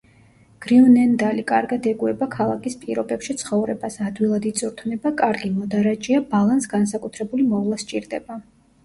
გრიუნენდალი კარგად ეგუება ქალაქის პირობებში ცხოვრებას, ადვილად იწვრთნება, კარგი მოდარაჯეა, ბალანს განსაკუთრებული მოვლა სჭირდება.